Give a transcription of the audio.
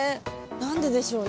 何ででしょうね？